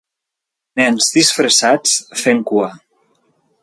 Nens disfressats fent cua.